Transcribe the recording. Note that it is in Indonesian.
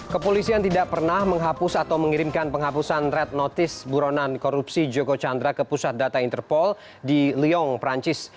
kepolisian tidak pernah menghapus atau mengirimkan penghapusan red notice buronan korupsi joko chandra ke pusat data interpol di lyong perancis